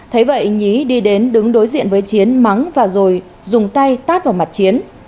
thấy vậy nhí đi đến đứng đối diện với chiến mắng và rồi dùng tay tát vào mặt chiến